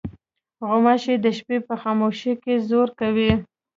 غوماشې د شپې په خاموشۍ کې زور کوي.